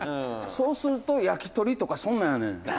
そうすると焼き鳥とか、そんなんやねん」